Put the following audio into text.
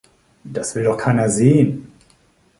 Das will doch keiner sehen!